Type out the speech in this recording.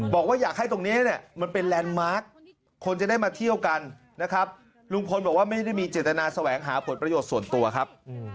บอกว่าอยากให้ตรงนี้เนี่ยมันเป็นแลนด์มาร์คคนจะได้มาเที่ยวกันนะครับลุงพลบอกว่าไม่ได้มีเจตนาแสวงหาผลประโยชน์ส่วนตัวครับ